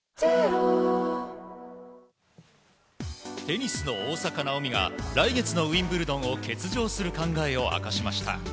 テニスの大坂なおみが来月のウィンブルドンを欠場する考えを明かしました。